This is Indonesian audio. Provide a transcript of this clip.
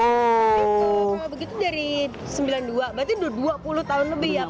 kalau begitu dari sembilan puluh dua berarti udah dua puluh tahun lebih ya pak